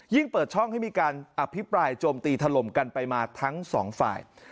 เปิดช่องให้มีการอภิปรายโจมตีถล่มกันไปมาทั้งสองฝ่าย